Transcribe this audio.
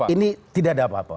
ini tidak ada apa apa